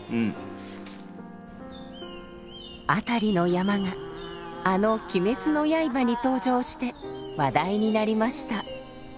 辺りの山があの「鬼滅の刃」に登場して話題になりました。